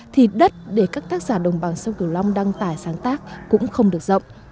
thì đất để các tác giả đồng bằng sông cửu long đăng tải sáng tác cũng không được rộng